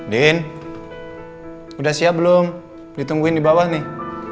dean udah siap belum ditungguin di bawah nih